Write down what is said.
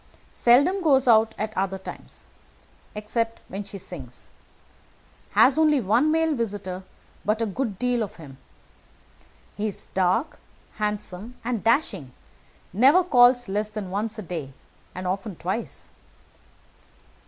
Seldom goes out at other times, except when she sings. Has only one male visitor, but a good deal of him. He is dark, handsome, and dashing; never calls less than once a day, and often twice.